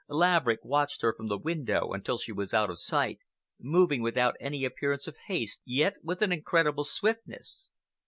Laverick watched her from the window until she was out of sight, moving without any appearance of haste, yet with an incredible swiftness.